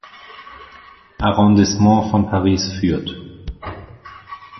Arrondissement von Paris führt.